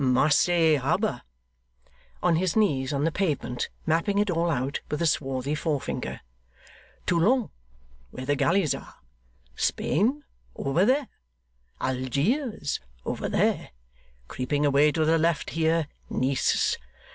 Marseilles harbour;' on his knees on the pavement, mapping it all out with a swarthy forefinger; 'Toulon (where the galleys are), Spain over there, Algiers over there. Creeping away to the left here, Nice.